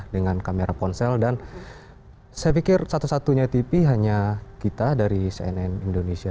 dengan kamera ponsel dan saya pikir satu satunya tv hanya kita dari cnn indonesia